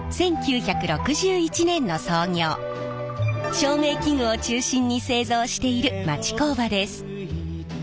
照明器具を中心に製造している町工場です。